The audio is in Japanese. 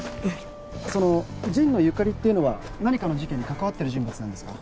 その神野由香里ってのは何かの事件にかかわっている人物なんですか？